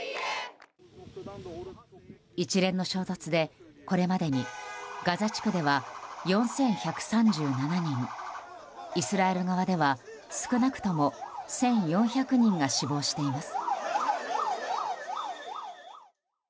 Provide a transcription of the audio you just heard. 一連の衝突で、これまでにガザ地区では４１３７人イスラエル側では少なくとも１４００人が死亡しています。